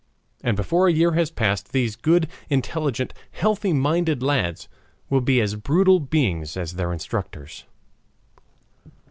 And before a year has passed these good, intelligent, healthy minded lads will be as brutal beings as their instructors.